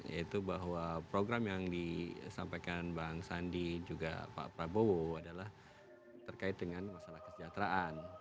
yaitu bahwa program yang disampaikan bang sandi juga pak prabowo adalah terkait dengan masalah kesejahteraan